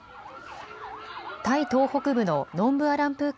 タイ東北部のノンブアランプー